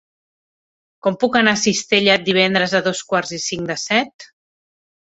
Com puc anar a Cistella divendres a dos quarts i cinc de set?